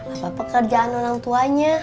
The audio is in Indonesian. apa pekerjaan orang tuanya